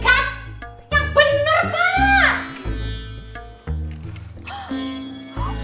yang bener pak